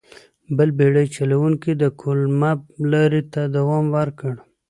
بل بېړۍ چلوونکي د کولمب لارې ته دوام ورکړ.